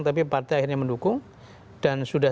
tapi partai akhirnya mendukung dan sudah